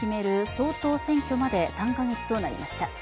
総統選挙まで３か月となりました。